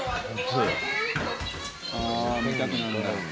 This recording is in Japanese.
ああ見たくなるんだ。